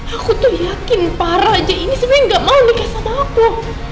aku tuh yakin pak raja ini sebenernya gak mau nikah sama aku